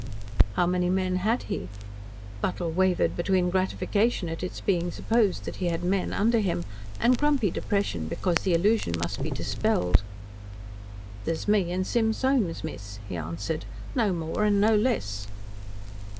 "How many men had he?" Buttle wavered between gratification at its being supposed that he had "men" under him and grumpy depression because the illusion must be dispelled. "There's me and Sim Soames, miss," he answered. "No more, an' no less."